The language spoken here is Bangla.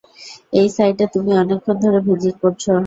এই সাইটে তুমি অনেকক্ষণ ধরে ভিজিট করছ।